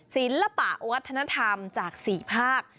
ศิลปะวัฒนธรรมจาก๔ภาค